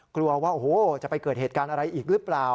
กลัวว่าโอ้โหจะไปเกิดเหตุการณ์อะไรอีกหรือเปล่า